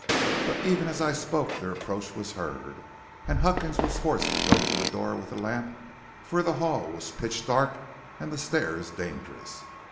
"But even as I spoke their approach was heard, and Huckins was forced to go to the door with the lamp, for the hall was pitch dark and the stairs dangerous.